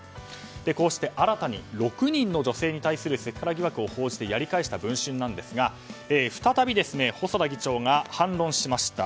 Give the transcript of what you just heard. こうして新たに６人の女性に対するセクハラ疑惑を報じてやり返した「文春」ですが再び細田議長が反論しました。